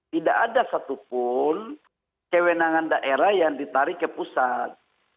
tidak ada satupun kewenangan daerah yang ditarik ke pusat